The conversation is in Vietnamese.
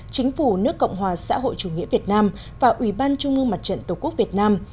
chính phủ nước cộng hòa xã hội chủ nghĩa việt nam và ủy ban trung ương mặt trận tổ quốc việt nam